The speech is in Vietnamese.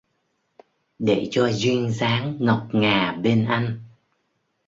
Để cho duyên dáng ngọc ngà bên anh